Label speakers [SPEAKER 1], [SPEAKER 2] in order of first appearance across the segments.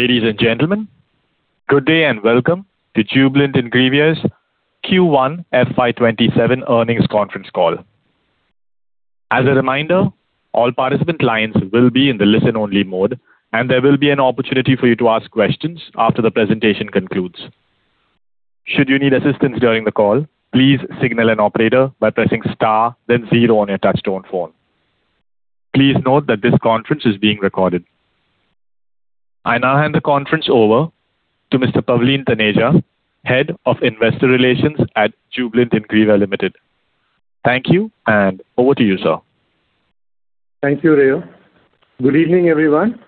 [SPEAKER 1] Ladies and gentlemen, good day and welcome to Jubilant Ingrevia Q1 FY 2027 Earnings Conference Call. As a reminder, all participant lines will be in the listen-only mode, and there will be an opportunity for you to ask questions after the presentation concludes. Should you need assistance during the call, please signal an operator by pressing star then zero on your touch-tone phone. Please note that this conference is being recorded. I now hand the conference over to Mr. Pavleen Taneja, Head of Investor Relations at Jubilant Ingrevia Limited. Thank you, and over to you, sir.
[SPEAKER 2] Thank you, Ray. Good evening, everyone.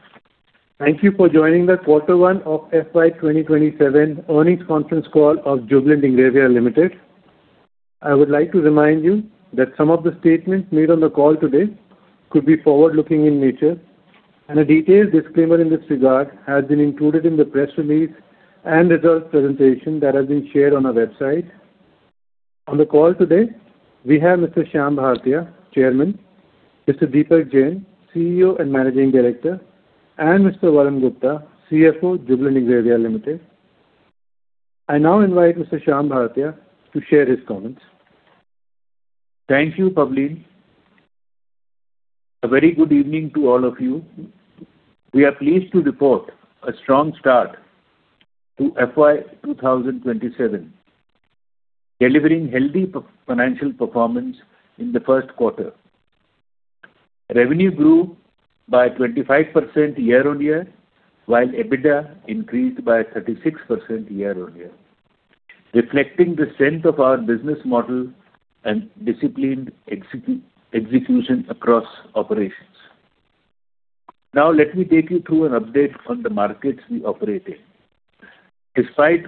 [SPEAKER 2] Thank you for joining the quarter one of FY 2027 earnings conference call of Jubilant Ingrevia Limited. I would like to remind you that some of the statements made on the call today could be forward-looking in nature, and a detailed disclaimer in this regard has been included in the press release and results presentation that has been shared on our website. On the call today, we have Mr. Shyam Bhartia, Chairman, Mr. Deepak Jain, CEO and Managing Director, and Mr. Varun Gupta, CFO, Jubilant Ingrevia Limited. I now invite Mr. Shyam Bhartia to share his comments.
[SPEAKER 3] Thank you, Pavleen. A very good evening to all of you. We are pleased to report a strong start to FY 2027, delivering healthy financial performance in the first quarter. Revenue grew by 25% year-on-year, while EBITDA increased by 36% year-on-year, reflecting the strength of our business model and disciplined execution across operations. Let me take you through an update on the markets we operate in. Despite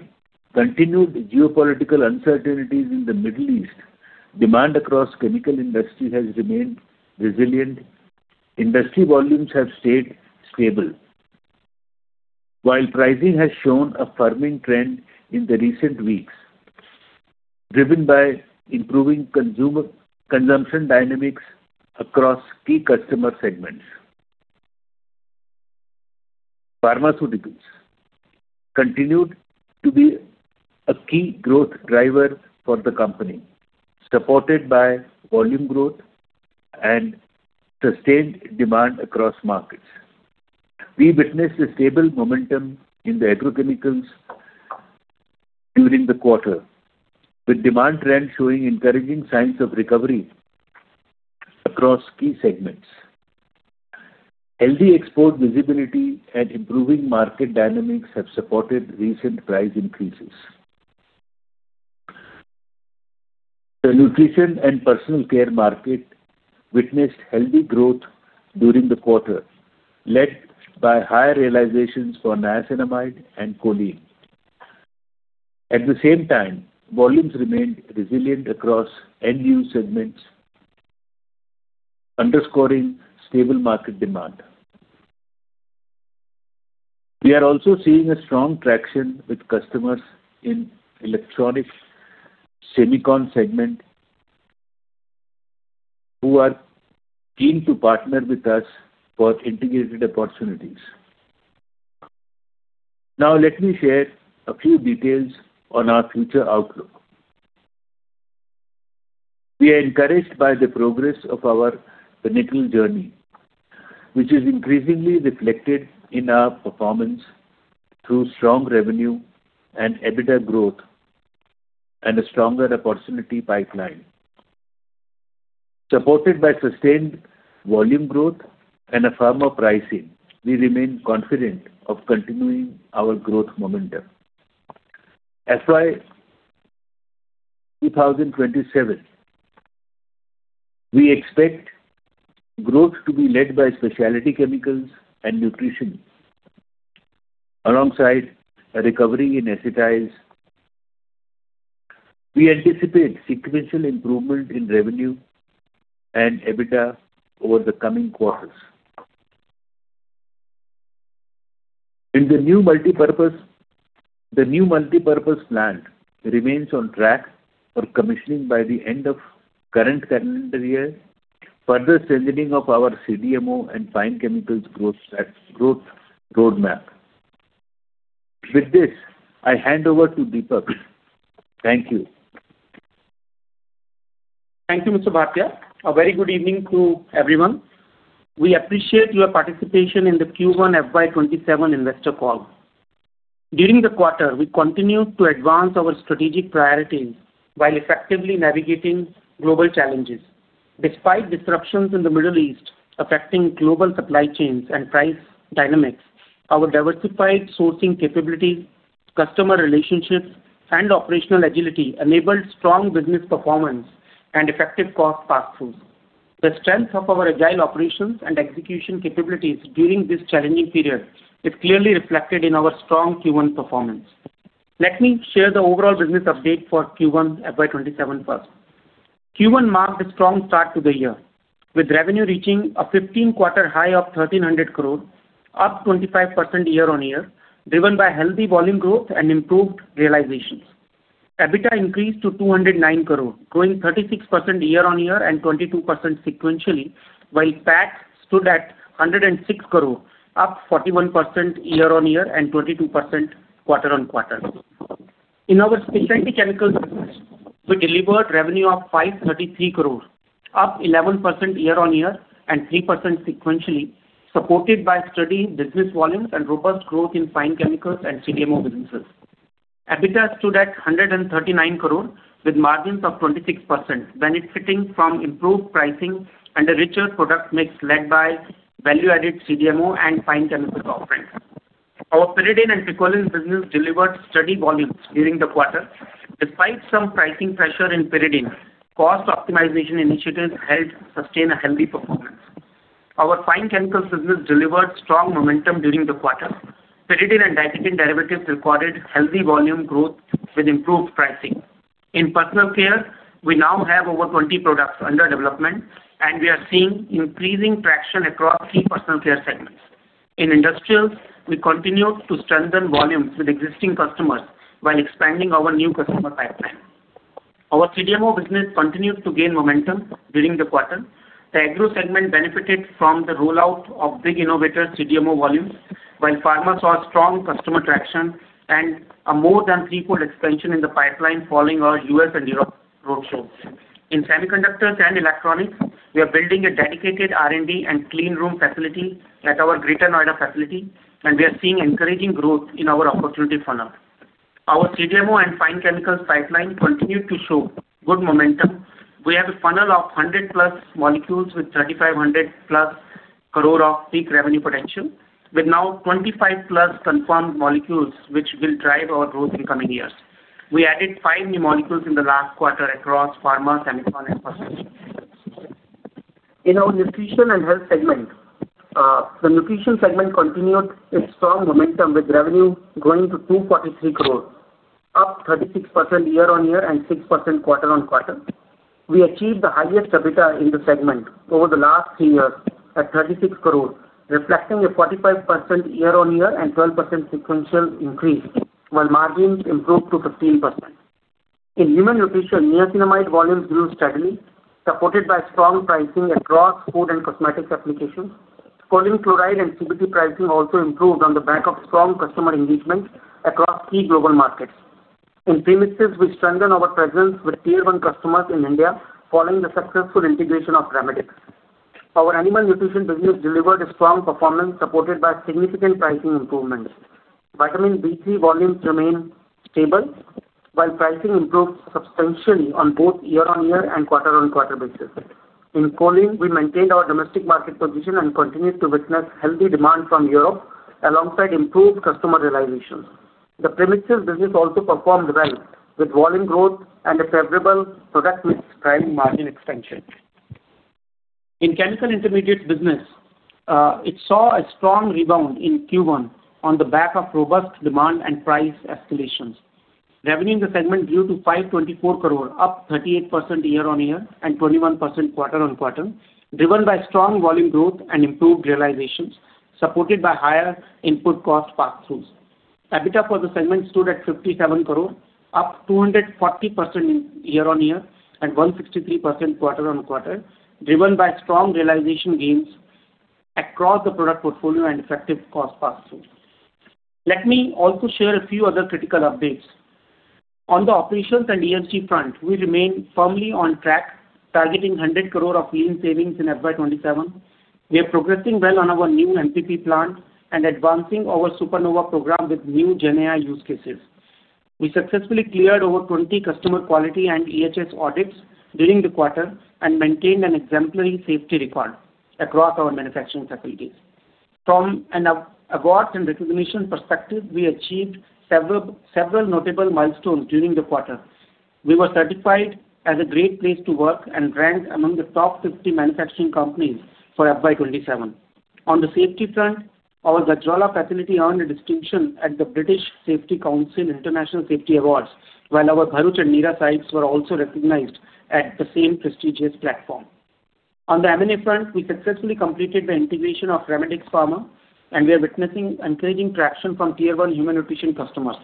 [SPEAKER 3] continued geopolitical uncertainties in the Middle East, demand across chemical industry has remained resilient. Industry volumes have stayed stable, while pricing has shown a firming trend in the recent weeks, driven by improving consumption dynamics across key customer segments. Pharmaceuticals continued to be a key growth driver for the company, supported by volume growth and sustained demand across markets. We witnessed a stable momentum in the agrochemicals during the quarter, with demand trends showing encouraging signs of recovery across key segments. Healthy export visibility and improving market dynamics have supported recent price increases. The nutrition and personal care market witnessed healthy growth during the quarter, led by higher realizations for Niacinamide and Choline. At the same time, volumes remained resilient across end-use segments, underscoring stable market demand. We are also seeing a strong traction with customers in electronics semicon segment, who are keen to partner with us for integrated opportunities. Let me share a few details on our future outlook. We are encouraged by the progress of our vertical journey, which is increasingly reflected in our performance through strong revenue and EBITDA growth and a stronger opportunity pipeline. Supported by sustained volume growth and a firmer pricing, we remain confident of continuing our growth momentum. FY 2027, we expect growth to be led by Specialty Chemicals and Nutrition, alongside a recovery in acetyls. We anticipate sequential improvement in revenue and EBITDA over the coming quarters. The new multipurpose plant remains on track for commissioning by the end of current calendar year, further strengthening of our CDMO and fine chemicals growth roadmap. With this, I hand over to Deepak. Thank you.
[SPEAKER 4] Thank you, Mr. Bhartia. A very good evening to everyone. We appreciate your participation in the Q1 FY 2027 investor call. During the quarter, we continued to advance our strategic priorities while effectively navigating global challenges. Despite disruptions in the Middle East affecting global supply chains and price dynamics, our diversified sourcing capabilities, customer relationships, and operational agility enabled strong business performance and effective cost pass-throughs. The strength of our agile operations and execution capabilities during this challenging period is clearly reflected in our strong Q1 performance. Let me share the overall business update for Q1 FY 2027 first. Q1 marked a strong start to the year, with revenue reaching a 15-quarter high of 1,300 crore, up 25% year-on-year, driven by healthy volume growth and improved realizations. EBITDA increased to 209 crore, growing 36% year-on-year and 22% sequentially, while PAT stood at 106 crore, up 41% year-on-year and 22% quarter-on-quarter. In our Specialty Chemicals business, we delivered revenue of 533 crore, up 11% year-on-year and 3% sequentially, supported by steady business volumes and robust growth in fine chemicals and CDMO businesses. EBITDA stood at 139 crore with margins of 26%, benefiting from improved pricing and a richer product mix led by value-added CDMO and fine chemical offerings. Our Pyridine & Picoline business delivered steady volumes during the quarter. Despite some pricing pressure in pyridine, cost optimization initiatives helped sustain a healthy performance. Our fine chemical business delivered strong momentum during the quarter. Pyridine and piperidine derivatives recorded healthy volume growth with improved pricing. In personal care, we now have over 20 products under development, and we are seeing increasing traction across key personal care segments. In industrials, we continue to strengthen volumes with existing customers while expanding our new customer pipeline. Our CDMO business continues to gain momentum during the quarter. The agro segment benefited from the rollout of big innovator CDMO volumes, while pharma saw strong customer traction and a more than threefold expansion in the pipeline following our U.S. and Europe roadshows. In semiconductors and electronics, we are building a dedicated R&D and clean room facility at our Greater Noida facility, and we are seeing encouraging growth in our opportunity funnel. Our CDMO and fine chemicals pipeline continue to show good momentum. We have a funnel of 100+ molecules with 3,500+ crore of peak revenue potential. We have now 25+ confirmed molecules, which will drive our growth in coming years. We added five new molecules in the last quarter across pharma, semiconductor, and personal care. In our Nutrition & Health segment, the nutrition segment continued its strong momentum, with revenue growing to 243 crore, up 36% year-on-year and 6% quarter-on-quarter. We achieved the highest EBITDA in the segment over the last three years at 36 crore, reflecting a 45% year-on-year and 12% sequential increase, while margins improved to 15%. In human nutrition, Niacinamide volumes grew steadily, supported by strong pricing across food and cosmetics applications. Choline Chloride and CBT pricing also improved on the back of strong customer engagement across key global markets. In premixes, we strengthened our presence with tier 1 customers in India following the successful integration of Remidex. Our animal nutrition business delivered a strong performance supported by significant pricing improvements. Vitamin D3 volumes remained stable, while pricing improved substantially on both year-on-year and quarter-on-quarter basis. In Choline, we maintained our domestic market position and continued to witness healthy demand from Europe alongside improved customer realizations. The premixes business also performed well with volume growth and a favorable product mix driving margin expansion. In Chemical Intermediates business, it saw a strong rebound in Q1 on the back of robust demand and price escalations. Revenue in the segment grew to 524 crore, up 38% year-on-year and 21% quarter-on-quarter, driven by strong volume growth and improved realizations supported by higher input cost passthroughs. EBITDA for the segment stood at 57 crore, up 240% year-on-year and 163% quarter-on-quarter, driven by strong realization gains across the product portfolio and effective cost passthroughs. Let me also share a few other critical updates. On the operations and ESG front, we remain firmly on track, targeting 100 crore of lean savings in FY 2027. We are progressing well on our new MPP plant and advancing our Supernova program with new GenAI use cases. We successfully cleared over 20 customer quality and EHS audits during the quarter and maintained an exemplary safety record across our manufacturing facilities. From an awards and recognition perspective, we achieved several notable milestones during the quarter. We were certified as a Great Place to Work and ranked among the top 50 manufacturing companies for FY 2027. On the safety front, our Gajraula facility earned a distinction at the British Safety Council International Safety Awards, while our Bharuch and Nira sites were also recognized at the same prestigious platform. On the M&A front, we successfully completed the integration of Remidex Pharma, and we are witnessing encouraging traction from tier 1 human nutrition customers.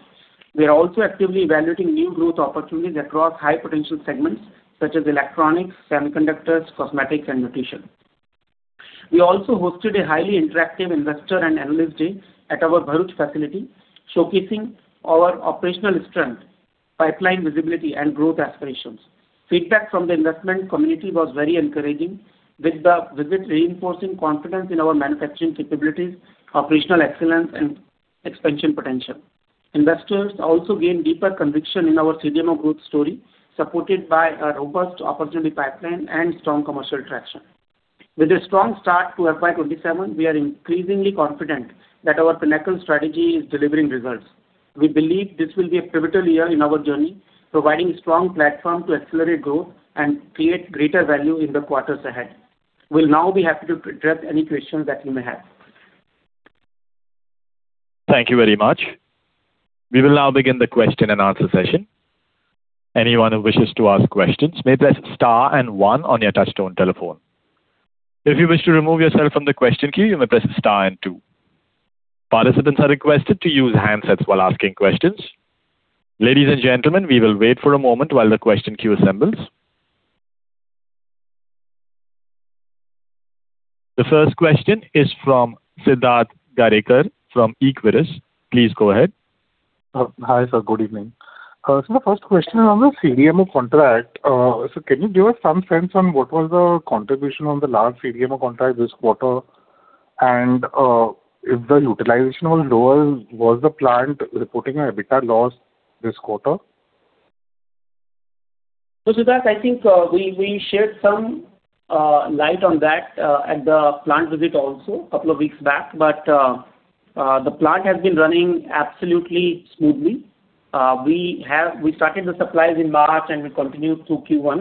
[SPEAKER 4] We are also actively evaluating new growth opportunities across high-potential segments such as electronics, semiconductors, cosmetics, and nutrition. We also hosted a highly interactive investor and analyst day at our Bharuch facility, showcasing our operational strength, pipeline visibility, and growth aspirations. Feedback from the investment community was very encouraging, with the visit reinforcing confidence in our manufacturing capabilities, operational excellence, and expansion potential. Investors also gained deeper conviction in our CDMO growth story, supported by a robust opportunity pipeline and strong commercial traction. With a strong start to FY 2027, we are increasingly confident that our Pinnacle Strategy is delivering results. We believe this will be a pivotal year in our journey, providing a strong platform to accelerate growth and create greater value in the quarters ahead. We will now be happy to address any questions that you may have.
[SPEAKER 1] Thank you very much. We will now begin the question and answer session. Anyone who wishes to ask questions may press star and one on your touchtone telephone. If you wish to remove yourself from the question queue, you may press star two. Participants are requested to use handsets while asking questions. Ladies and gentlemen, we will wait for a moment while the question queue assembles. The first question is from Siddharth Gadekar from Equirus. Please go ahead.
[SPEAKER 5] Hi, sir. Good evening. The first question on the CDMO contract. Can you give us some sense on what was the contribution on the large CDMO contract this quarter? If the utilization was lower, was the plant reporting an EBITDA loss this quarter?
[SPEAKER 4] Siddharth, I think we shared some light on that at the plant visit also a couple of weeks back. The plant has been running absolutely smoothly. We started the supplies in March, and we continued through Q1.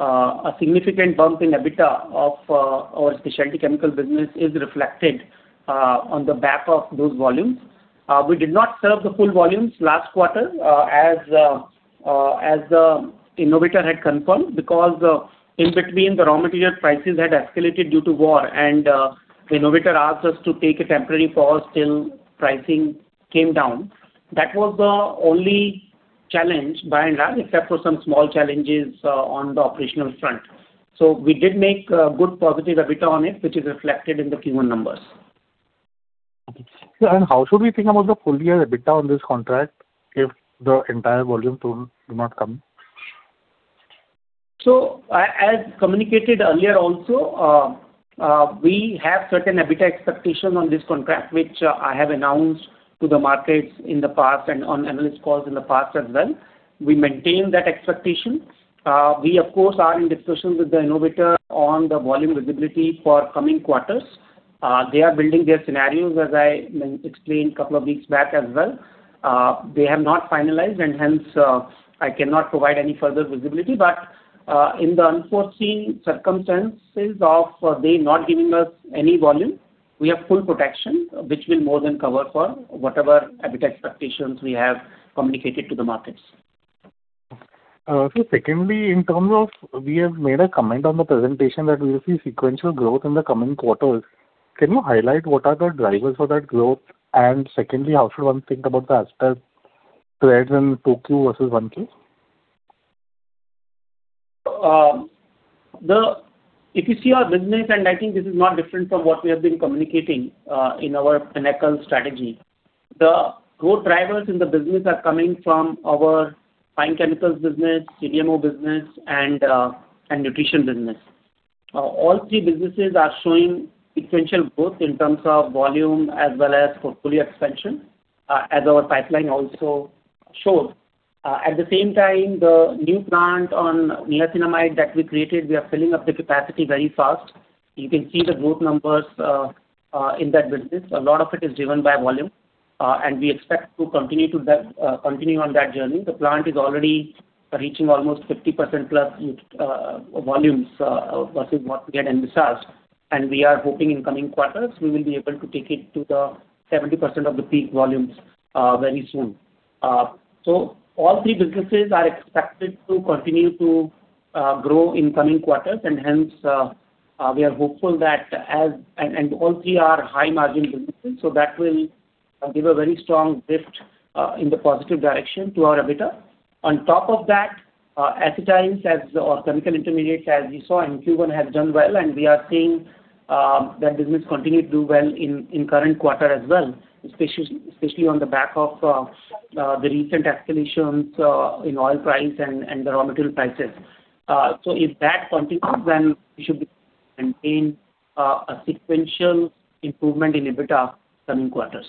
[SPEAKER 4] A significant bump in EBITDA of our specialty chemical business is reflected on the back of those volumes. We did not serve the full volumes last quarter as the innovator had confirmed, because in between, the raw material prices had escalated due to war, and the innovator asked us to take a temporary pause till pricing came down. That was the only challenge by and large, except for some small challenges on the operational front. We did make good positive EBITDA on it, which is reflected in the Q1 numbers.
[SPEAKER 5] Okay. How should we think about the full year EBITDA on this contract if the entire volume tool do not come?
[SPEAKER 4] As communicated earlier also, we have certain EBITDA expectation on this contract, which I have announced to the markets in the past and on analyst calls in the past as well. We maintain that expectation. We, of course, are in discussions with the innovator on the volume visibility for coming quarters. They are building their scenarios, as I explained couple of weeks back as well. They have not finalized, and hence I cannot provide any further visibility. But in the unforeseen circumstances of they not giving us any volume, we have full protection, which will more than cover for whatever EBITDA expectations we have communicated to the markets.
[SPEAKER 5] Secondly, in terms of, we have made a comment on the presentation that we will see sequential growth in the coming quarters. Can you highlight what are the drivers for that growth? And secondly, how should one think about the ASP trends in 2Q versus 1Q?
[SPEAKER 4] If you see our business, and I think this is not different from what we have been communicating in our Pinnacle Strategy. The growth drivers in the business are coming from our fine chemicals business, CDMO business, and nutrition business. All three businesses are showing sequential growth in terms of volume as well as portfolio expansion, as our pipeline also shows. At the same time, the new plant on Niacinamide that we created, we are filling up the capacity very fast. You can see the growth numbers in that business. A lot of it is driven by volume. And we expect to continue on that journey. The plant is already reaching almost 50%+ volumes versus what we had in Visakhapatnam. And we are hoping in coming quarters we will be able to take it to the 70% of the peak volumes very soon. All three businesses are expected to continue to grow in coming quarters and hence we are hopeful that as and all three are high-margin businesses, so that will give a very strong drift in the positive direction to our EBITDA. On top of that, acetyls as our chemical intermediates, as we saw in Q1, have done well and we are seeing that business continue to do well in current quarter as well, especially on the back of the recent escalations in oil price and the raw material prices. If that continues, then we should be able to maintain a sequential improvement in EBITDA coming quarters.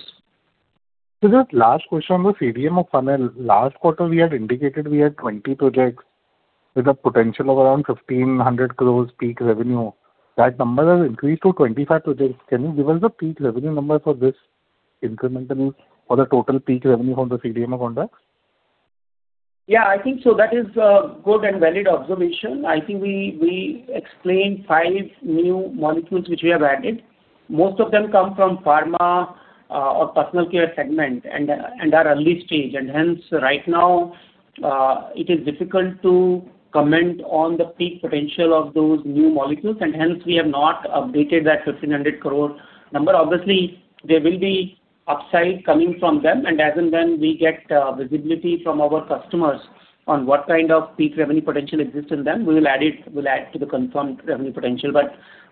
[SPEAKER 5] Just last question on the CDMO funnel. Last quarter we had indicated we had 20 projects with a potential of around 1,500 crores peak revenue. That number has increased to 25 projects. Can you give us the peak revenue number for this incrementally or the total peak revenue from the CDMO contracts?
[SPEAKER 4] Yeah, I think so. That is a good and valid observation. I think we explained five new molecules which we have added. Most of them come from pharma or personal care segment and are early stage. Hence right now, it is difficult to comment on the peak potential of those new molecules, and hence we have not updated that 1,500 crore number. Obviously, there will be upside coming from them and as and when we get visibility from our customers on what kind of peak revenue potential exists in them, we'll add to the confirmed revenue potential.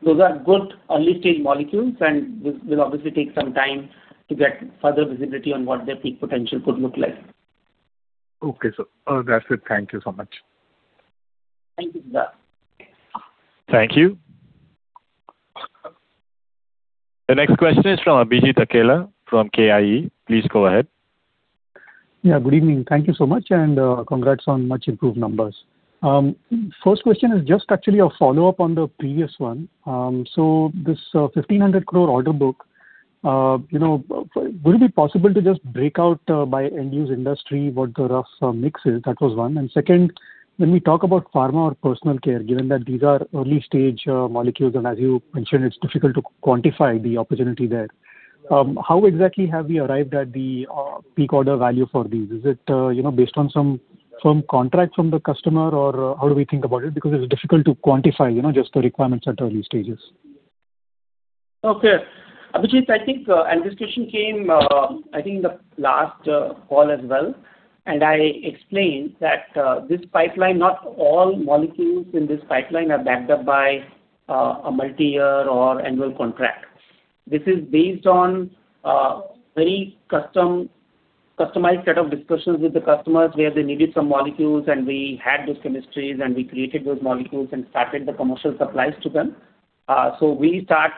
[SPEAKER 4] Those are good early-stage molecules and will obviously take some time to get further visibility on what their peak potential could look like.
[SPEAKER 5] Okay, sir. That's it. Thank you so much.
[SPEAKER 4] Thank you, Siddharth.
[SPEAKER 1] Thank you. The next question is from Abhijit Akella from KIE. Please go ahead.
[SPEAKER 6] Yeah, good evening. Thank you so much and congrats on much improved numbers. First question is just actually a follow-up on the previous one. This 1,500 crore order book, will it be possible to just break out by end-use industry what the rough mix is? That was one. Second, when we talk about pharma or personal care, given that these are early-stage molecules and as you mentioned, it's difficult to quantify the opportunity there. How exactly have we arrived at the peak order value for these? Is it based on some contract from the customer or how do we think about it? Because it's difficult to quantify, just the requirements at early stages.
[SPEAKER 4] Okay. Abhijit, I think this question came, I think in the last call as well, and I explained that not all molecules in this pipeline are backed up by a multi-year or annual contract. This is based on a very customized set of discussions with the customers where they needed some molecules and we had those chemistries and we created those molecules and started the commercial supplies to them. We start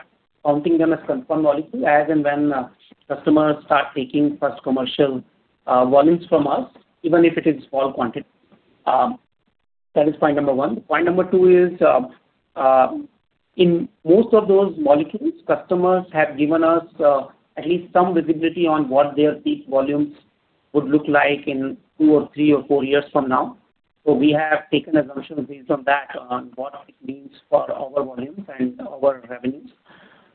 [SPEAKER 4] counting them as confirmed molecules as and when customers start taking first commercial volumes from us, even if it is small quantity. That is point number one. Point number two is, in most of those molecules, customers have given us at least some visibility on what these volumes would look like in two or three or four years from now. We have taken assumptions based on that, on what it means for our volumes and our revenues.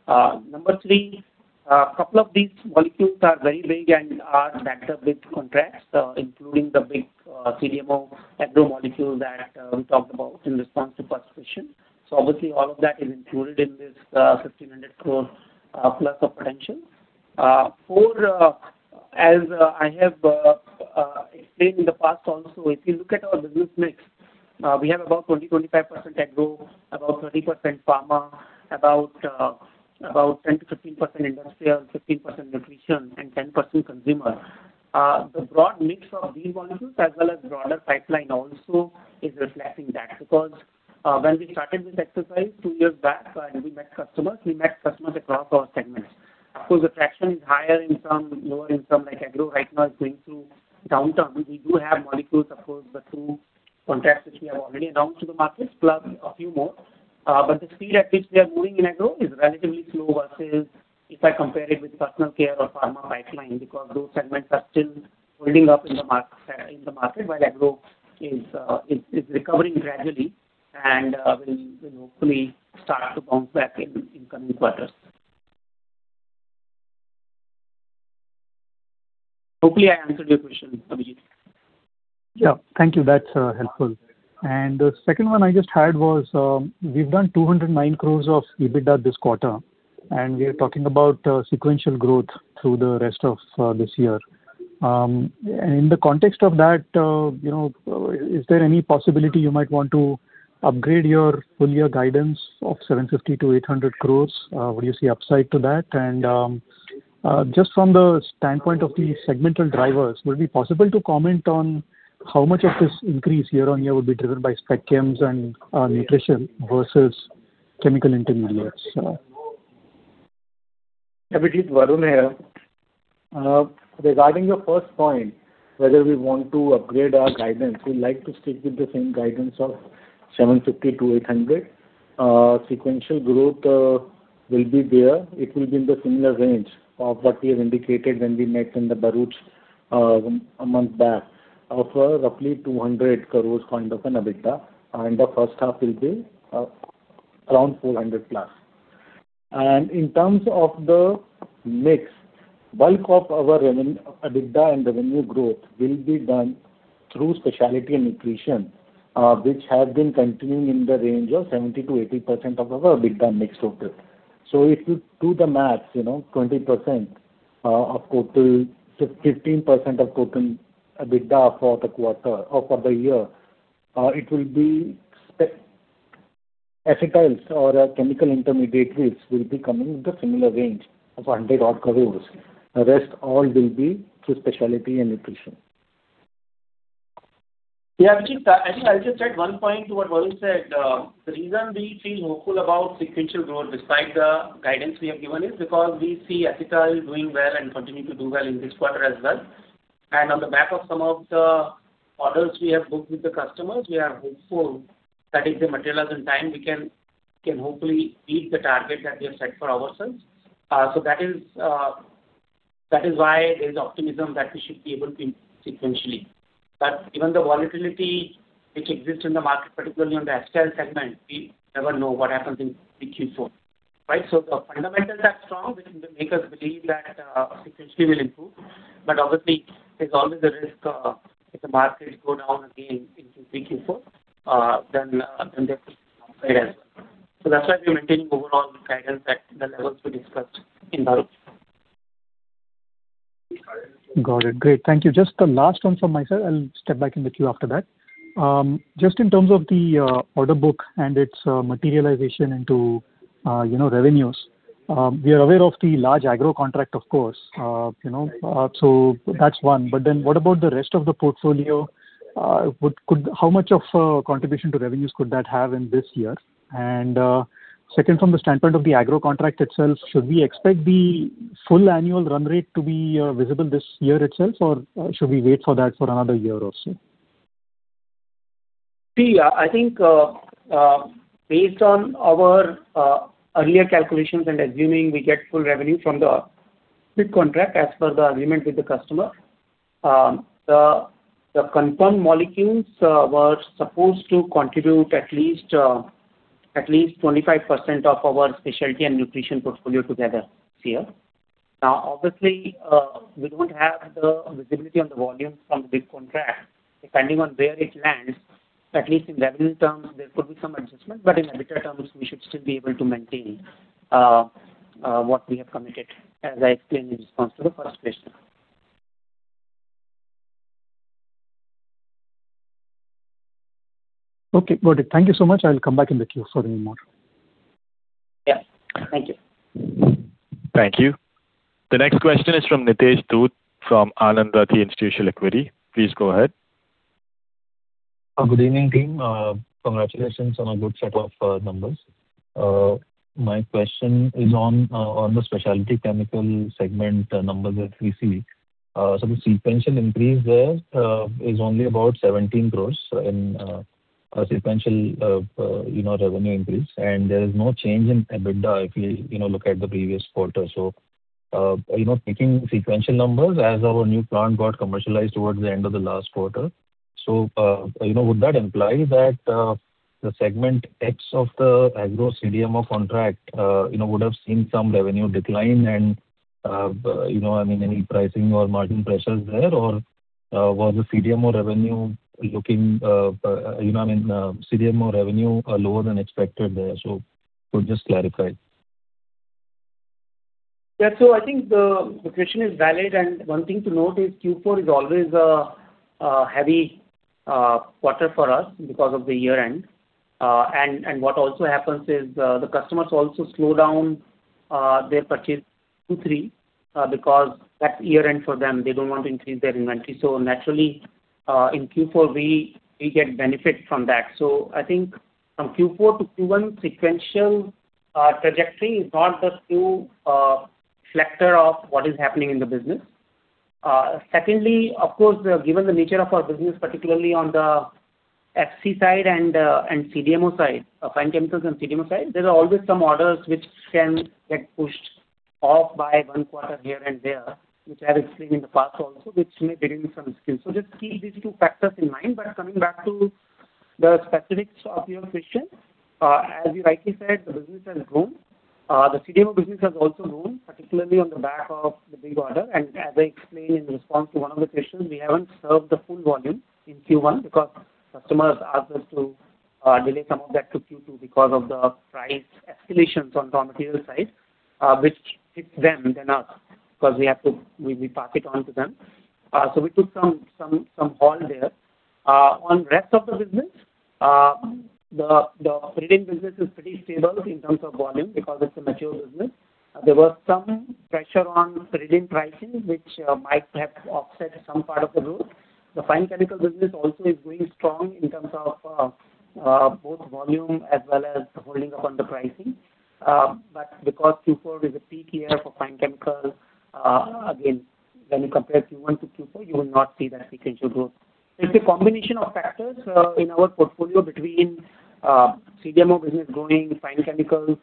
[SPEAKER 4] Number three, a couple of these molecules are very big and are backed up with contracts, including the big CDMO agro molecule that we talked about in response to past question. Obviously all of that is included in this 1,500+ crore of potential. Four, as I have explained in the past also, if you look at our business mix, we have about 20%-25% agro, about 30% pharma, about 10%-15% industrial, 15% nutrition, and 10% consumer. The broad mix of these molecules as well as broader pipeline also is reflecting that. When we started this exercise two years back, when we met customers, we met customers across all segments. Of course, the traction is higher in some, lower in some. Like agro right now is going through downturn. We do have molecules, of course, the two contracts which we have already announced to the markets, plus a few more. But the speed at which we are moving in agro is relatively slow versus if I compare it with personal care or pharma pipeline, because those segments are still holding up in the market, while agro is recovering gradually and will hopefully start to bounce back in coming quarters. Hopefully, I answered your question, Abhijit.
[SPEAKER 6] Yeah. Thank you. That's helpful. The second one I just had was, we've done 209 crores of EBITDA this quarter, and we are talking about sequential growth through the rest of this year. In the context of that, is there any possibility you might want to upgrade your full year guidance of 750 crores to 800 crores? Would you see upside to that? Just from the standpoint of the segmental drivers, would it be possible to comment on how much of this increase year-on-year will be driven by spec chems and nutrition versus chemical intermediates?
[SPEAKER 7] Abhijit, Varun here. Regarding your first point, whether we want to upgrade our guidance, we'd like to stick with the same guidance of 750 crores to 800 crores. Sequential growth will be there. It will be in the similar range of what we have indicated when we met in Bharuch a month back. Of a roughly 200 crores kind of an EBITDA, and the first half will be around 400+. In terms of the mix, bulk of our EBITDA and revenue growth will be done through specialty and nutrition, which has been continuing in the range of 70%-80% of our EBITDA mix total. So if you do the maths, 20% of total, 15% of total EBITDA for the year, it will be acetyls or our chemical intermediates will be coming in the similar range of 100 odd crores. The rest all will be through specialty and nutrition.
[SPEAKER 4] Yeah, Abhijit, I think I'll just add one point to what Varun said. The reason we feel hopeful about sequential growth despite the guidance we have given is because we see acetyls doing well and continuing to do well in this quarter as well. On the back of some of the orders we have booked with the customers, we are hopeful that if the material is on time, we can hopefully beat the target that we have set for ourselves. So that is why there is optimism that we should be able to sequentially. But given the volatility which exists in the market, particularly on the acetyls segment, we never know what happens in Q4. The fundamentals are strong, which make us believe that sequentially will improve. Obviously, there's always a risk if the markets go down again into 3Q4, then there could be downside as well. That's why we're maintaining overall guidance at the levels we discussed in Bharuch.
[SPEAKER 6] Got it. Great. Thank you. Just the last one from myself. I'll step back in the queue after that. Just in terms of the order book and its materialization into revenues. We are aware of the large agro contract, of course. That's one. What about the rest of the portfolio? How much of contribution to revenues could that have in this year? Second, from the standpoint of the agro contract itself, should we expect the full annual run rate to be visible this year itself, or should we wait for that for another year or so?
[SPEAKER 4] I think based on our earlier calculations and assuming we get full revenue from the contract as per the agreement with the customer. The confirmed molecules were supposed to contribute at least 25% of our specialty and nutrition portfolio together this year. Obviously, we don't have the visibility on the volume from the big contract. Depending on where it lands, at least in revenue terms, there could be some adjustment. In EBITDA terms, we should still be able to maintain what we have committed, as I explained in response to the first question.
[SPEAKER 6] Okay, got it. Thank you so much. I'll come back in the queue for any more.
[SPEAKER 4] Yeah. Thank you.
[SPEAKER 1] Thank you. The next question is from Nitesh Dhoot from Anand Rathi Institutional Equities. Please go ahead.
[SPEAKER 8] Good evening, team. Congratulations on a good set of numbers. My question is on the specialty chemical segment numbers that we see. The sequential increase there is only about 17 crore in sequential revenue increase, and there is no change in EBITDA if we look at the previous quarter. Picking sequential numbers as our new plant got commercialized towards the end of the last quarter. Would that imply that the segment X of the agro CDMO contract would have seen some revenue decline and any pricing or margin pressures there? Or was the CDMO revenue lower than expected there? Could you just clarify?
[SPEAKER 4] Yeah. I think the question is valid and one thing to note is Q4 is always a heavy quarter for us because of the year-end. What also happens is the customers also slow down their purchase Q3 because that's year-end for them. They don't want to increase their inventory. Naturally, in Q4 we get benefit from that. I think from Q4 to Q1, sequential trajectory is not the true reflector of what is happening in the business. Secondly, of course, given the nature of our business particularly on the FC side and CDMO side, fine chemicals and CDMO side, there are always some orders which can get pushed off by one quarter here and there, which I have explained in the past also, which may be the reason. Just keep these two factors in mind. Coming back to the specifics of your question, as you rightly said, the business has grown. The CDMO business has also grown, particularly on the back of the big order. As I explained in response to one of the questions, we haven't served the full volume in Q1 because customers asked us to delay some of that to Q2 because of the price escalations on raw material side, which hits them than us because we pass it on to them. We took some hold there. On rest of the business, the pyridine business is pretty stable in terms of volume because it's a mature business. There was some pressure on pyridine pricing, which might have offset some part of the growth. The fine chemical business also is going strong in terms of both volume as well as holding up on the pricing. Because Q4 is a peak year for fine chemical, again, when you compare Q1 to Q4, you will not see that sequential growth. It's a combination of factors in our portfolio between CDMO business growing, fine chemical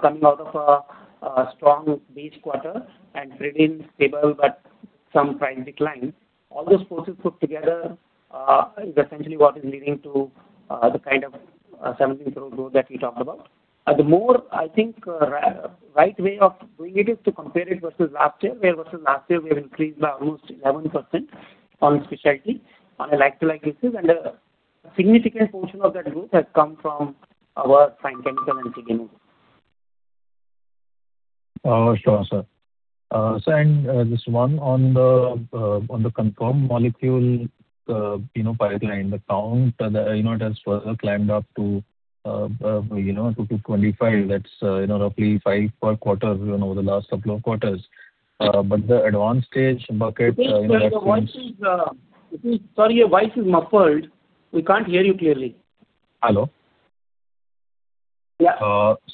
[SPEAKER 4] coming out of a strong base quarter, and pyridine was stable but some price decline. All those forces put together is essentially what is leading to the kind of 17 growth that you talked about. The more, I think, right way of doing it is to compare it versus last year, where versus last year, we have increased by almost 11% on specialty, on a like-to-like basis. A significant portion of that growth has come from our fine chemical and CDMO.
[SPEAKER 8] Sure, sir. Sir, just one on the confirmed molecule pipeline. The count, it has further climbed up to 25. That's roughly five per quarter over the last couple of quarters. The advanced stage bucket-
[SPEAKER 4] Nitesh, sorry, your voice is muffled. We can't hear you clearly.
[SPEAKER 8] Hello.
[SPEAKER 4] Yeah.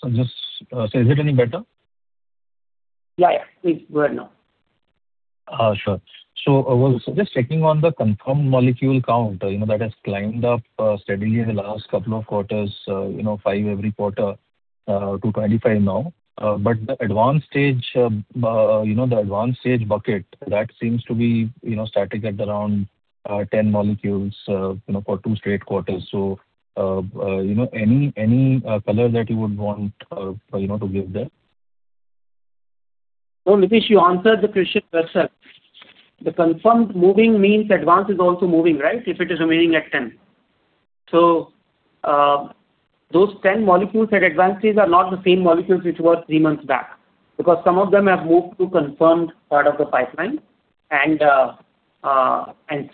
[SPEAKER 8] Sir, is it any better?
[SPEAKER 4] Yeah. Please go ahead now.
[SPEAKER 8] Sure. I was just checking on the confirmed molecule count. That has climbed up steadily in the last couple of quarters, five every quarter, to 25 now. The advanced stage bucket, that seems to be static at around 10 molecules for two straight quarters. Any color that you would want to give there?
[SPEAKER 4] No, Nitesh, you answered the question yourself. The confirmed moving means advanced is also moving, right? If it is remaining at 10. Those 10 molecules at advanced stage are not the same molecules which were three months back, because some of them have moved to confirmed part of the pipeline and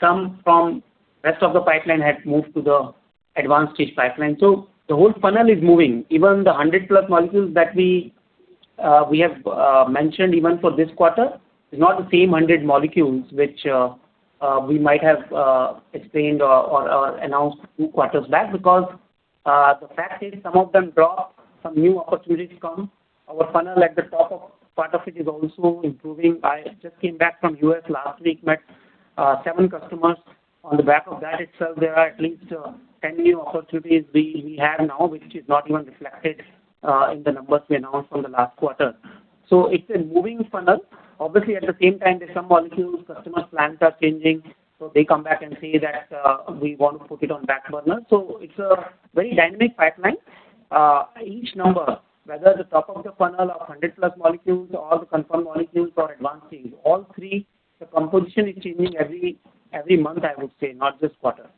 [SPEAKER 4] some from rest of the pipeline has moved to the advanced stage pipeline. The whole funnel is moving. Even the 100+ molecules that we have mentioned even for this quarter is not the same 100 molecules which we might have explained or announced two quarters back. The fact is some of them drop, some new opportunities come. Our funnel at the top part of it is also improving. I just came back from U.S. last week, met seven customers. On the back of that itself, there are at least 10 new opportunities we have now, which is not even reflected in the numbers we announced from the last quarter. It's a moving funnel. Obviously, at the same time, there are some molecules, customers' plans are changing. They come back and say that, We want to put it on back burner. It's a very dynamic pipeline. Each number, whether the top of the funnel of 100-plus molecules or the confirmed molecules or advancing, all three, the composition is changing every month, I would say, not just quarter.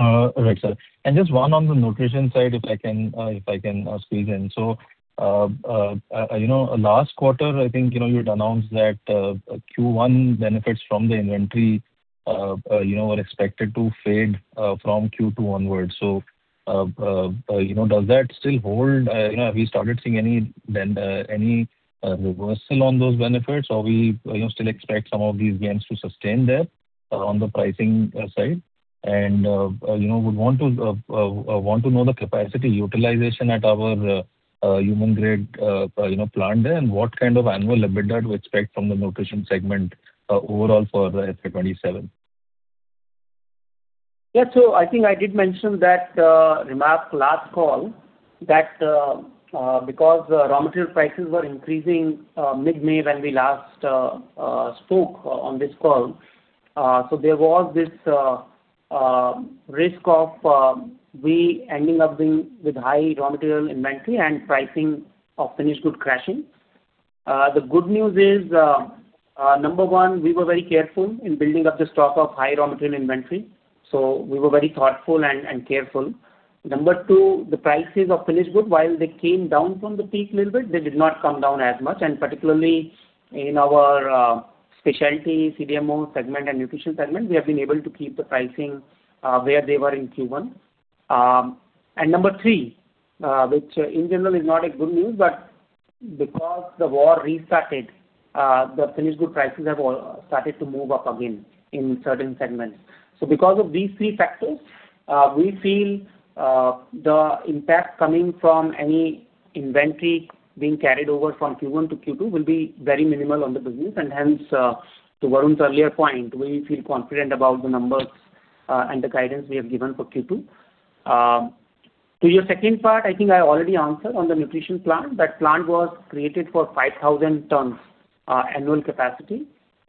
[SPEAKER 8] All right, sir. Just one on the nutrition side, if I can squeeze in. Last quarter, I think you had announced that Q1 benefits from the inventory were expected to fade from Q2 onwards. Does that still hold? Have we started seeing any reversal on those benefits, or we still expect some of these gains to sustain there around the pricing side? We want to know the capacity utilization at our human grade plant there and what kind of annual EBITDA do we expect from the nutrition segment overall for FY 2027?
[SPEAKER 4] I think I did mention that, regarding the last call, that because raw material prices were increasing mid-May when we last spoke on this call, there was this risk of we ending up with high raw material inventory and pricing of finished goods crashing. The good news is, number one, we were very careful in building up the stock of high raw material inventory. We were very thoughtful and careful. Number two, the prices of finished good, while they came down from the peak a little bit, they did not come down as much. Particularly in our specialty CDMO segment and nutrition segment, we have been able to keep the pricing where they were in Q1. Number three, which in general is not a good news, but because the war restarted, the finished good prices have all started to move up again in certain segments. Because of these three factors, we feel the impact coming from any inventory being carried over from Q1 to Q2 will be very minimal on the business, and hence, to Varun's earlier point, we feel confident about the numbers and the guidance we have given for Q2. To your second part, I think I already answered on the nutrition plant. That plant was created for 5,000 tons annual capacity.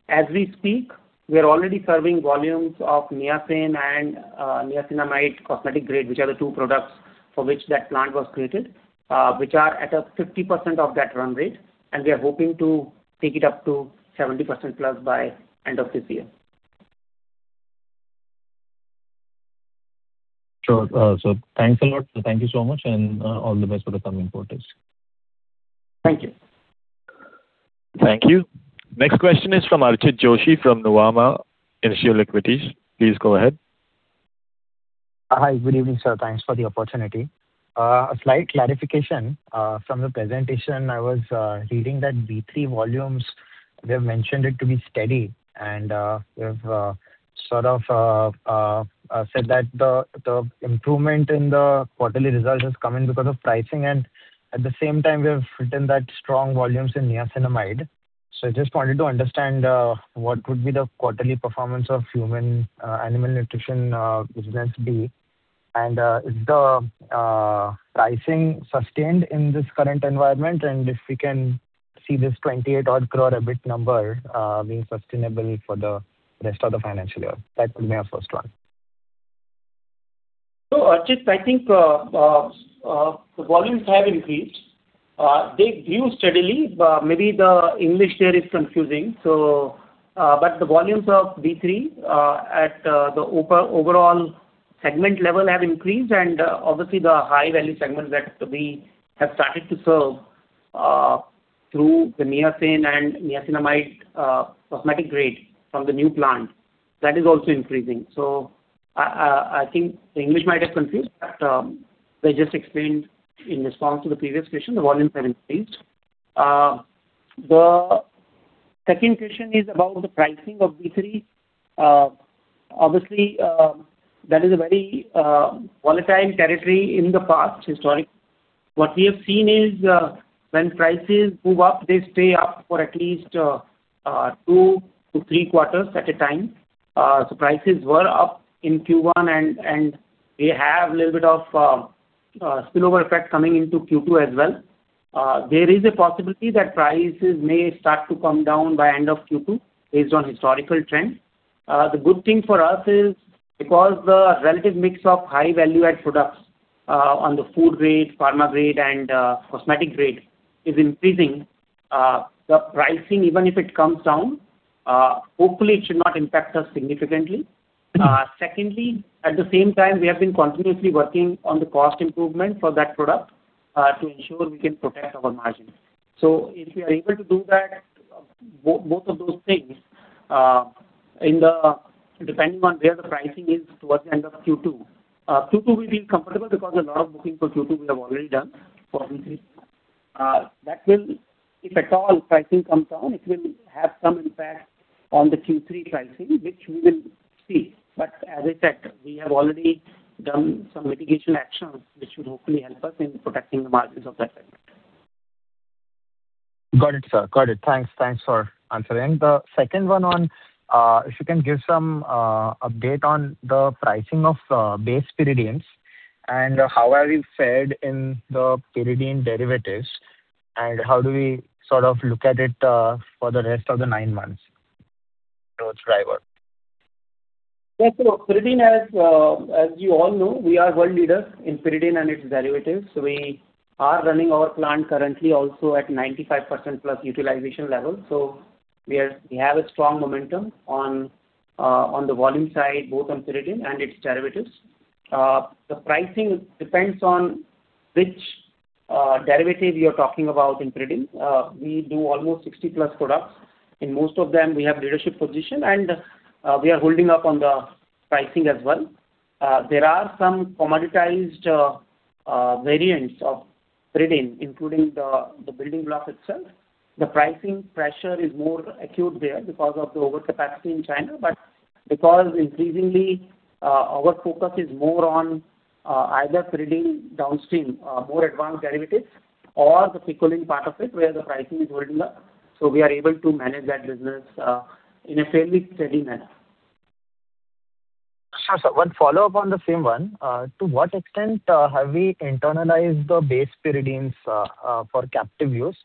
[SPEAKER 4] As we speak, we are already serving volumes of niacin and niacinamide cosmetic grade, which are the two products for which that plant was created, which are at a 50% of that run rate, and we are hoping to take it up to 70%+ by end of this year.
[SPEAKER 8] Sure. Thanks a lot. Thank you so much and all the best for the coming quarters.
[SPEAKER 4] Thank you.
[SPEAKER 1] Thank you. Next question is from Archit Joshi from Nuvama Institutional Equities. Please go ahead.
[SPEAKER 9] Hi. Good evening, sir. Thanks for the opportunity. A slight clarification from the presentation. I was reading that B3 volumes, we have mentioned it to be steady, and we've sort of said that the improvement in the quarterly results is coming because of pricing, and at the same time, we have written that strong volumes in Niacinamide. I just wanted to understand what would be the quarterly performance of human animal nutrition business be, and is the pricing sustained in this current environment, and if we can see this 28-odd crore EBIT number being sustainable for the rest of the financial year. That would be my first one.
[SPEAKER 4] Archit, I think the volumes have increased. They grew steadily, but maybe the English there is confusing. The volumes of B3 at the overall segment level have increased and obviously the high-value segments that we have started to serve through the niacin and niacinamide cosmetic grade from the new plant, that is also increasing. I think the English might have confused, but as I just explained in response to the previous question, the volumes have increased. The second question is about the pricing of B3. Obviously, that is a very volatile territory in the past, historic. What we have seen is when prices move up, they stay up for at least two to three quarters at a time. Prices were up in Q1, and we have a little bit of spillover effect coming into Q2 as well. There is a possibility that prices may start to come down by end of Q2 based on historical trends. The good thing for us is because the relative mix of high value-add products on the food grade, pharma grade, and cosmetic grade is increasing, the pricing, even if it comes down, hopefully it should not impact us significantly. At the same time, we have been continuously working on the cost improvement for that product to ensure we can protect our margins. If we are able to do both of those things, depending on where the pricing is towards the end of Q2. Q2 we feel comfortable because a lot of booking for Q2 we have already done for B3. That will, if at all pricing comes down, it will have some impact on the Q3 pricing, which we will see. As I said, we have already done some mitigation actions which would hopefully help us in protecting the margins of that segment.
[SPEAKER 9] Got it, sir. Got it. Thanks for answering. The second one on, if you can give some update on the pricing of base pyridines and how are we fared in the pyridine derivatives, and how do we look at it for the rest of the nine months, towards driver.
[SPEAKER 4] Yes, pyridine, as you all know, we are world leader in pyridine and its derivatives. We are running our plant currently also at 95%+ utilization level. We have a strong momentum on the volume side, both on pyridine and its derivatives. The pricing depends on which derivative you're talking about in pyridine. We do almost 60+ products. In most of them, we have leadership position, and we are holding up on the pricing as well. There are some commoditized variants of pyridine, including the building block itself. The pricing pressure is more acute there because of the overcapacity in China. Because increasingly, our focus is more on either pyridine downstream, more advanced derivatives or the picoline part of it, where the pricing is holding up, we are able to manage that business in a fairly steady manner.
[SPEAKER 9] Sure, sir. One follow-up on the same one. To what extent have we internalized the base pyridines for captive use?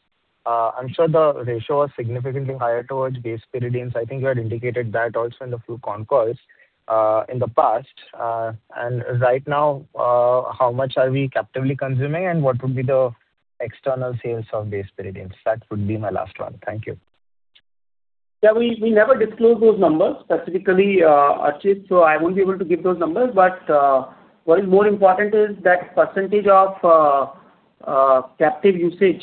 [SPEAKER 9] I'm sure the ratio was significantly higher towards base pyridines. I think you had indicated that also in the few concalls in the past. Right now, how much are we captively consuming, and what would be the external sales of base pyridines? That would be my last one. Thank you.
[SPEAKER 4] We never disclose those numbers specifically, Archit, I won't be able to give those numbers. What is more important is that percentage of captive usage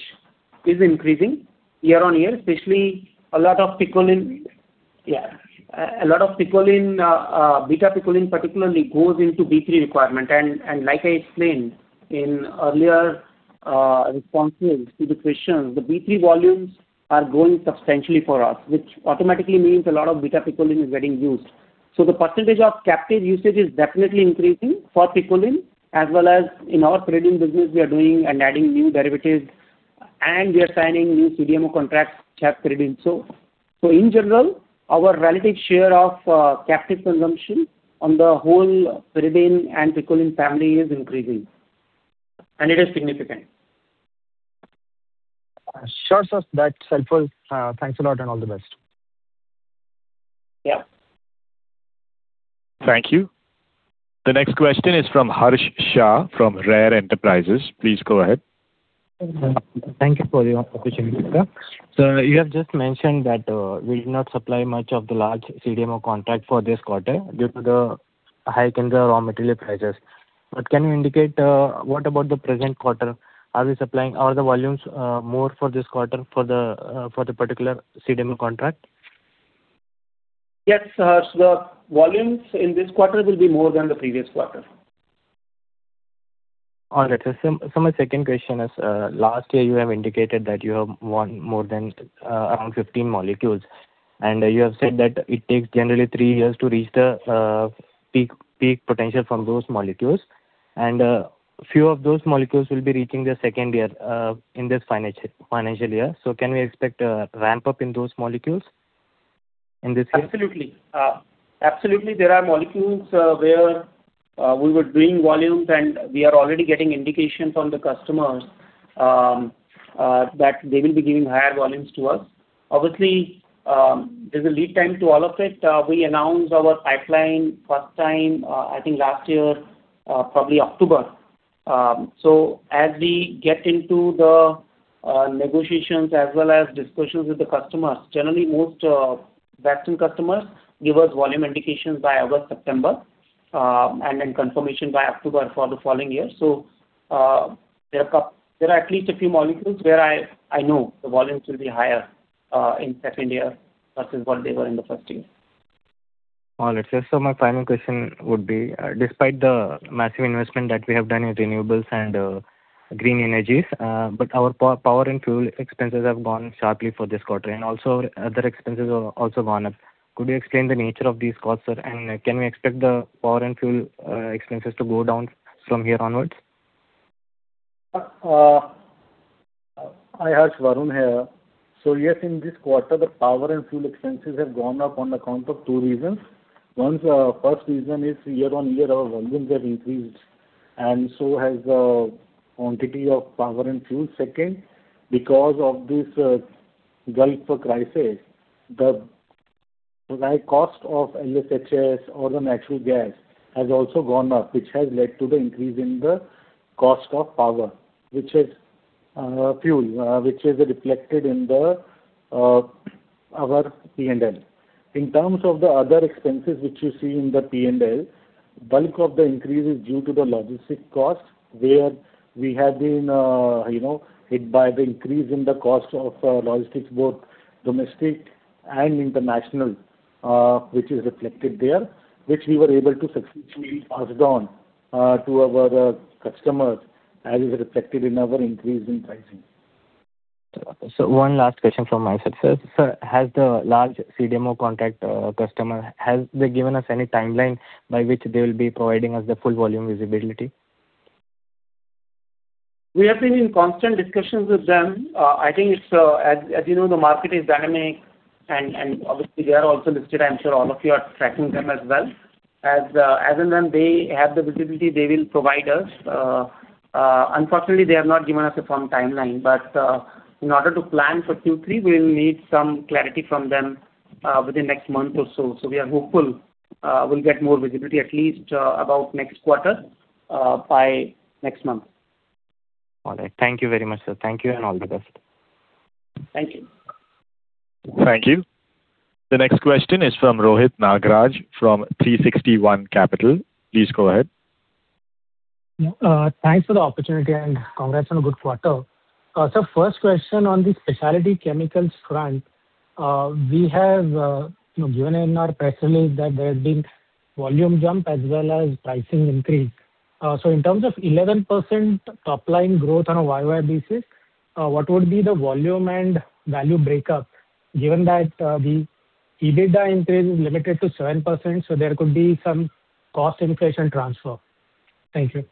[SPEAKER 4] is increasing year on year, especially a lot of picoline, Beta Picoline particularly, goes into B3 requirement. Like I explained in earlier responses to the questions, the B3 volumes are growing substantially for us, which automatically means a lot of Beta Picoline is getting used. The percentage of captive usage is definitely increasing for picoline as well as in our pyridine business we are doing and adding new derivatives, and we are signing new CDMO contracts to have pyridine. In general, our relative share of captive consumption on the whole pyridine and picoline family is increasing, and it is significant.
[SPEAKER 9] Sure, sir. That's helpful. Thanks a lot, and all the best.
[SPEAKER 4] Yeah.
[SPEAKER 1] Thank you. The next question is from Harsh Shah from RARE Enterprises. Please go ahead.
[SPEAKER 10] Thank you for the opportunity, sir. You have just mentioned that we did not supply much of the large CDMO contract for this quarter due to the hike in the raw material prices. Can you indicate, what about the present quarter? Are the volumes more for this quarter for the particular CDMO contract?
[SPEAKER 4] Yes, Harsh. The volumes in this quarter will be more than the previous quarter.
[SPEAKER 10] All right, sir. My second question is, last year you have indicated that you have won more than around 15 molecules, and you have said that it takes generally three years to reach the peak potential from those molecules. Few of those molecules will be reaching their second year in this financial year. Can we expect a ramp-up in those molecules in this case?
[SPEAKER 4] Absolutely. There are molecules where we were doing volumes, we are already getting indications from the customers that they will be giving higher volumes to us. Obviously, there is a lead time to all of it. We announce our pipeline first time, I think last year, probably October. As we get into the negotiations as well as discussions with the customers, generally most vaccine customers give us volume indications by August, September, and then confirmation by October for the following year. There are at least a few molecules where I know the volumes will be higher in second year versus what they were in the first year.
[SPEAKER 10] All right, sir. My final question would be, despite the massive investment that we have done in renewables and green energies, but our power and fuel expenses have gone sharply for this quarter, other expenses have also gone up. Could you explain the nature of these costs, sir? Can we expect the power and fuel expenses to go down from here onwards?
[SPEAKER 7] Hi, Harsh. Varun here. Yes, in this quarter, the power and fuel expenses have gone up on account of two reasons. One, first reason is year-on-year, our volumes have increased, and so has the quantity of power and fuel. Second, because of this Gulf crisis, the right cost of LSHS or the natural gas has also gone up, which has led to the increase in the cost of power, which is fuel which is reflected in our P&L. In terms of the other expenses which you see in the P&L, bulk of the increase is due to the logistic costs where we have been hit by the increase in the cost of logistics, both domestic and international, which is reflected there, which we were able to successfully pass it on to our customers as is reflected in our increase in pricing.
[SPEAKER 10] One last question from my side, sir. Sir, have they given us any timeline by which they will be providing us the full volume visibility?
[SPEAKER 4] We have been in constant discussions with them. I think as you know, the market is dynamic and obviously they are also listed. I'm sure all of you are tracking them as well. As and when they have the visibility, they will provide us. Unfortunately, they have not given us a firm timeline. In order to plan for Q3, we will need some clarity from them within next month or so. We are hopeful we'll get more visibility, at least about next quarter, by next month.
[SPEAKER 10] All right. Thank you very much, sir. Thank you, and all the best.
[SPEAKER 4] Thank you.
[SPEAKER 1] Thank you. The next question is from Rohit Nagaraj from 360 ONE Capital. Please go ahead.
[SPEAKER 11] Yeah. Thanks for the opportunity and congrats on a good quarter. Sir, first question on the specialty chemicals front. We have given in our press release that there has been volume jump as well as pricing increase. In terms of 11% top-line growth on a year-over-year basis, what would be the volume and value breakup given that the EBITDA increase is limited to 7% so there could be some cost inflation transfer? Thank you.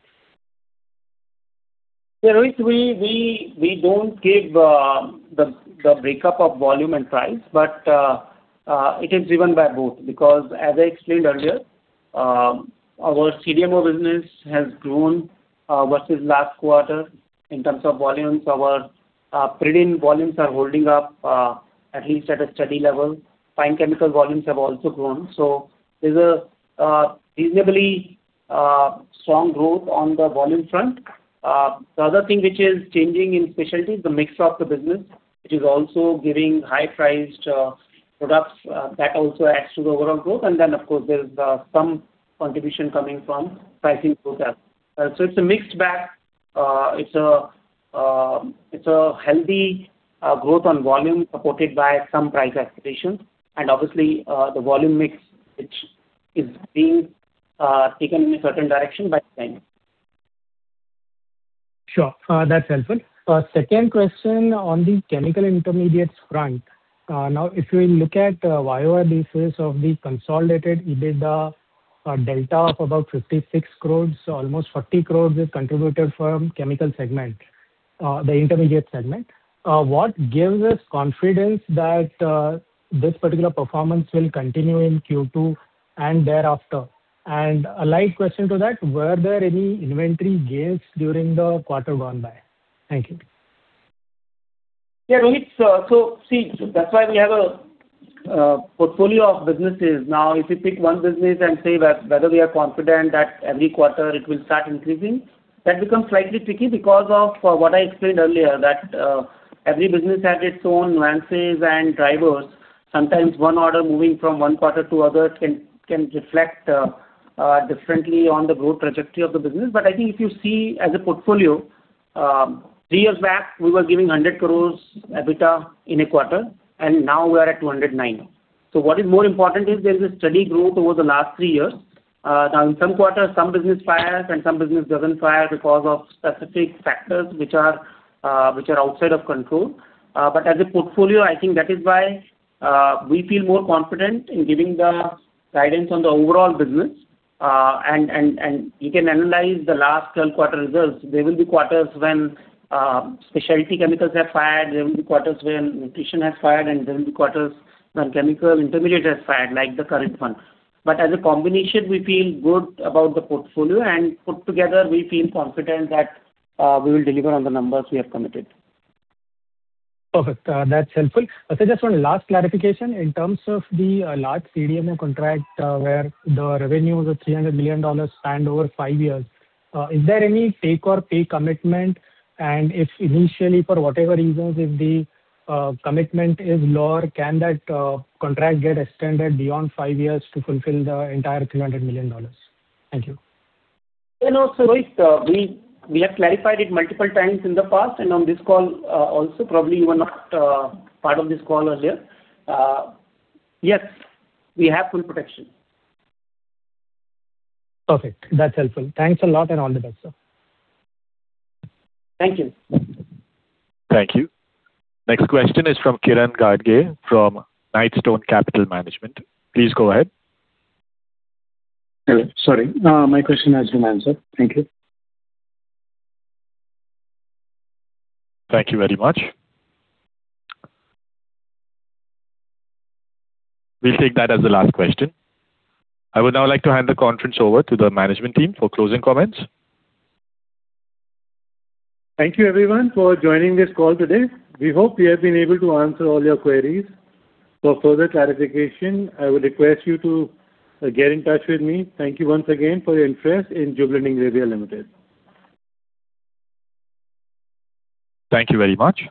[SPEAKER 4] Yeah, Rohit, we don't give the breakup of volume and price. It is driven by both, because as I explained earlier, our CDMO business has grown versus last quarter in terms of volumes. Our pyridine volumes are holding up at least at a steady level. Fine chemical volumes have also grown. There's a reasonably strong growth on the volume front. The other thing which is changing in specialty is the mix of the business, which is also giving high-priced products. That also adds to the overall growth. Then, of course, there's some contribution coming from pricing products. It's a mixed bag. It's a healthy growth on volume, supported by some price escalations. Obviously, the volume mix, which is being taken in a certain direction by the client.
[SPEAKER 11] Sure. That's helpful. Second question on the chemical intermediates front. If you look at year-over-year basis of the consolidated EBITDA delta of about 56 crores, almost 40 crores is contributed from chemical segment, the intermediate segment. What gives us confidence that this particular performance will continue in Q2 and thereafter? A light question to that, were there any inventory gains during the quarter gone by? Thank you.
[SPEAKER 4] Yeah, Rohit. See, that's why we have a portfolio of businesses. If you pick one business and say that whether we are confident that every quarter it will start increasing, that becomes slightly tricky because of what I explained earlier, that every business has its own nuances and drivers. Sometimes one order moving from one quarter to other can reflect differently on the growth trajectory of the business. I think if you see as a portfolio, three years back, we were giving 100 crores EBITDA in a quarter, and now we are at 209. What is more important is there's a steady growth over the last three years. In some quarters, some business fires and some business doesn't fire because of specific factors which are outside of control. As a portfolio, I think that is why we feel more confident in giving the guidance on the overall business. You can analyze the last 12 quarter results. There will be quarters when specialty chemicals have fired, there will be quarters when nutrition has fired, and there will be quarters when chemical intermediate has fired, like the current one. As a combination, we feel good about the portfolio, and put together, we feel confident that we will deliver on the numbers we have committed.
[SPEAKER 11] Perfect. That's helpful. Sir, just one last clarification. In terms of the large CDMO contract where the revenue of $300 million spanned over five years, is there any take or pay commitment? If initially, for whatever reasons, if the commitment is lower, can that contract get extended beyond five years to fulfill the entire $300 million? Thank you.
[SPEAKER 4] No, Rohit. We have clarified it multiple times in the past and on this call also, probably you were not part of this call earlier. Yes, we have full protection.
[SPEAKER 11] Perfect. That's helpful. Thanks a lot, and all the best, sir.
[SPEAKER 4] Thank you.
[SPEAKER 1] Thank you. Next question is from Kiran Gadge from Knightstone Capital Management. Please go ahead.
[SPEAKER 12] Hello. Sorry. My question has been answered. Thank you.
[SPEAKER 1] Thank you very much. We'll take that as the last question. I would now like to hand the conference over to the management team for closing comments.
[SPEAKER 2] Thank you everyone for joining this call today. We hope we have been able to answer all your queries. For further clarification, I would request you to get in touch with me. Thank you once again for your interest in Jubilant Ingrevia Limited.
[SPEAKER 1] Thank you very much.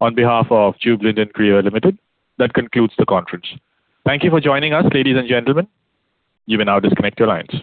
[SPEAKER 1] On behalf of Jubilant Ingrevia Limited, that concludes the conference. Thank you for joining us, ladies and gentlemen. You may now disconnect your lines.